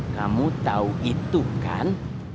kamu tahu itu kan